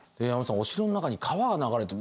お城の中に川が流れてる。